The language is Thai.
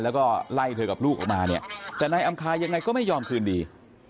แล้วก็ไล่เธอกับลูกออกมาเนี่ยแต่นายอำคายังไงก็ไม่ยอมคืนดี